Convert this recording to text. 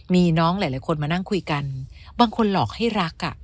มีน้องหลายคนมานั่งคุยกันบางคนหลอกให้รักอ่ะ